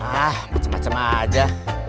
ah macam macam aja